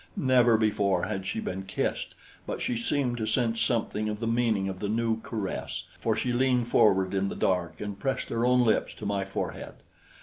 Never before had she been kissed; but she seemed to sense something of the meaning of the new caress, for she leaned forward in the dark and pressed her own lips to my forehead.